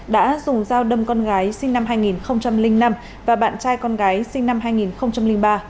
đã dùng dao đâm con gái sinh năm hai nghìn năm và bạn trai con gái sinh năm hai nghìn ba